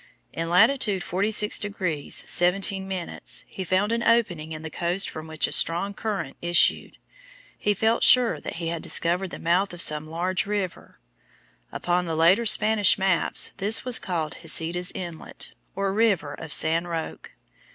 In latitude 46° 17' he found an opening in the coast from which a strong current issued. He felt sure that he had discovered the mouth of some large river. Upon the later Spanish maps this was called Heceta's Inlet, or River of San Roque.